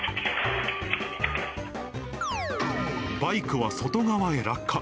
バイクは外側へ落下。